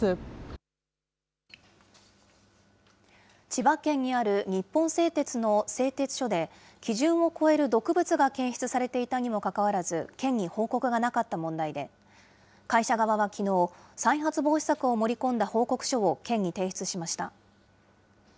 千葉県にある日本製鉄の製鉄所で、基準を超える毒物が検出されていたにもかかわらず、県に報告がなかった問題で、会社側はきのう、再発防止策を盛り込んだ報告書を県に提出しました。